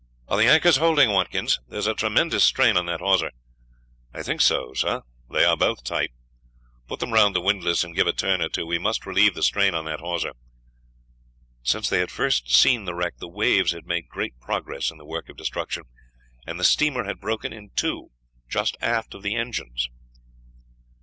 "Are the anchors holding, Watkins? There's a tremendous strain on that hawser." "I think so, sir; they are both tight." "Put them round the windlass, and give a turn or two, we must relieve the strain on that hawser." Since they had first seen the wreck the waves had made great progress in the work of destruction, and the steamer had broken in two just aft of the engines.